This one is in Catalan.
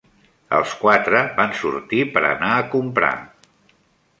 Els quatre van sortir per anar a comprar.